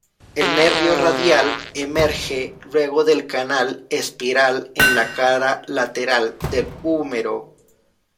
El nervio radial emerge luego del canal espiral en la cara lateral del húmero.